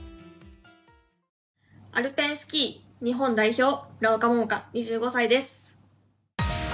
アルペンスキー日本代表村岡桃佳、２５歳です。